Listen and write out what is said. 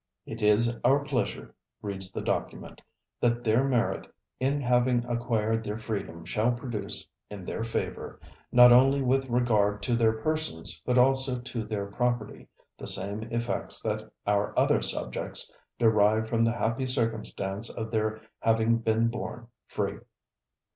"It is our pleasure," reads the document, "that their merit in having acquired their freedom shall produce in their favor, not only with regard to their persons, but also to their property, the same effects that our other subjects derive from the happy circumstance of their having been born free."